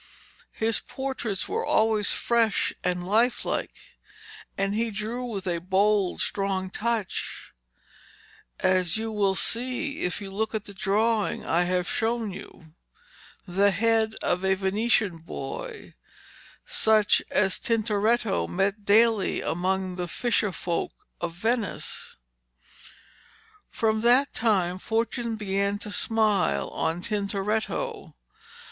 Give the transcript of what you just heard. His portraits were always fresh and life like, and he drew with a bold strong touch, as you will see if you look at the drawing I have shown you the head of a Venetian boy, such as Tintoretto met daily among the fisher folk of Venice. From that time Fortune began to smile on Tintoretto.